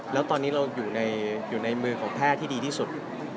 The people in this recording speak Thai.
แล้วตอนนี้เราอยู่ในมือของแพทย์ที่ดีที่สุด